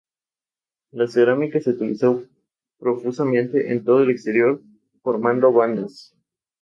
Eran su distracción y su medio de vida.